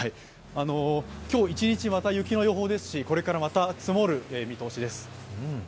今日一日、また雪の予報ですし、これからまた積もる予想です。